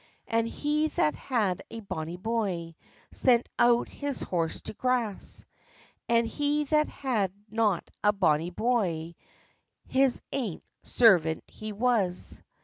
And he that had a bonnie boy, Sent out his horse to grass, And he that had not a bonnie boy, His ain servant he was.